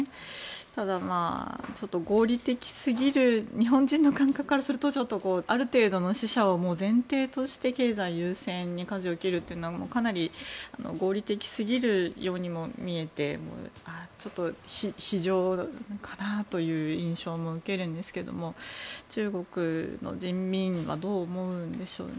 ただ、合理的すぎる日本人の感覚からするとある程度の死者を前提として経済優先にかじを切るというのはかなり合理的すぎるようにも見えてちょっと非情かなという印象も受けるんですけども中国の人民はどう思うんでしょうね。